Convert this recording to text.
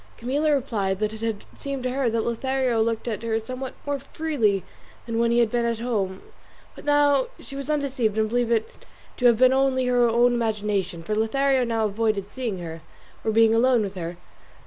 Camilla replied that it had seemed to her that Lothario looked at her somewhat more freely than when he had been at home; but that now she was undeceived and believed it to have been only her own imagination, for Lothario now avoided seeing her, or being alone with her.